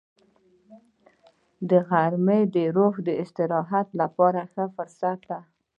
غرمه د روح د استراحت لپاره ښه فرصت دی